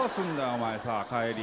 お前さ帰り。